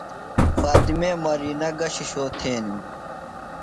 فاطمے مرینہ گہ شِشو تھینِم؟